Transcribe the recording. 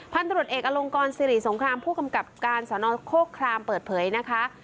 ตรวจเอกอลงกรสิริสงครามผู้กำกับการสนโครครามเปิดเผยนะคะ